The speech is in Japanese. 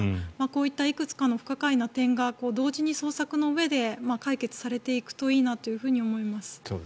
こういったいくつかの不可解な点が同時に捜索のうえで解決されていくといいなと思います。